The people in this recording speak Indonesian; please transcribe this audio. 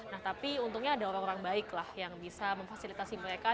nah tapi untungnya ada orang orang baik lah yang bisa memfasilitasi mereka